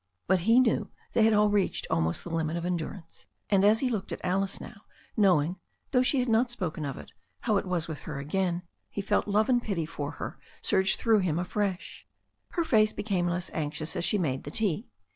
But he knew they had all reached almost the limit of endurance, and as he looked at Alice now, knowing, though she had not yet spoken of it, how it was with her again, he felt love and pity for her surge through him afresh. Her face became less anxious as she made the tea.